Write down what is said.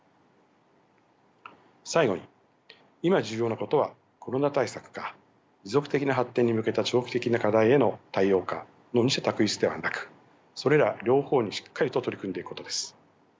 最後に今重要なことはコロナ対策か持続的な発展に向けた長期的な課題への対応かの二者択一ではなくそれら両方にしっかりと取り組んでいくことです。